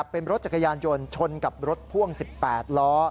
เป็นรถจักรยานยนต์ชนกับรถพ่วง๑๘ล้อ